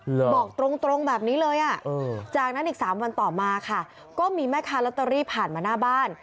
บอกตรงตรงแบบนี้เลยอ่ะจากนั้นอีกสามวันต่อมาค่ะก็มีแม่ค้าลอตเตอรี่ผ่านมาหน้าบ้าน